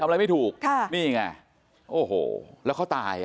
ทำอะไรไม่ถูกนี่ไงโอ้โหแล้วเขาตาย